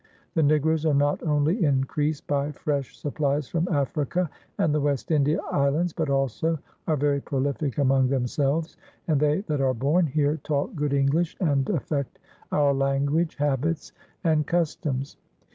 The N^roes are not only encreased by fresh supplies from Africa and the West India Islands, but also are very prolific among themselves; and they that are bom here talk good English and affect our Language, Habits and ttO PIONEERS OF THE OLD SOUTH Customs.